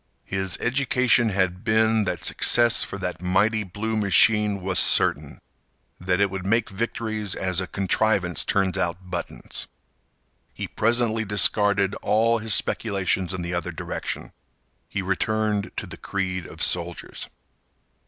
His education had been that success for that mighty blue machine was certain; that it would make victories as a contrivance turns out buttons. He presently discarded all his speculations in the other direction. He returned to the creed of soldiers.